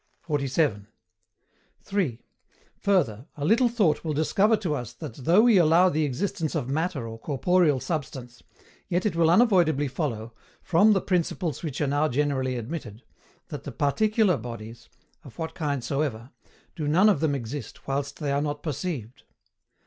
47. (3) Further, a little thought will discover to us that though we allow the existence of Matter or corporeal substance, yet it will unavoidably follow, FROM THE PRINCIPLES WHICH ARE NOW GENERALLY ADMITTED, that the PARTICULAR bodies, of what kind soever, do none of them exist whilst they are not perceived.